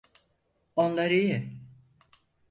Onlar iyi.